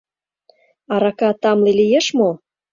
— Арака тамле лиеш мо?